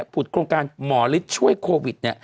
ผุดโครงการหมอฤทธิ์ช่วยโควิด